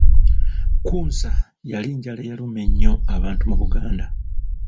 Kkunsa yali njala eyaluma ennyo abantu mu Buganda.